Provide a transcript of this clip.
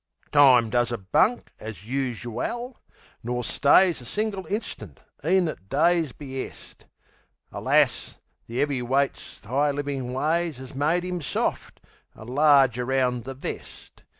Time does a bunk as us u al, nor stays A single instant, e'en at Day's be'est. Alas, the 'eavy weight's 'igh livin' ways 'As made 'im soft, an' large around the vest.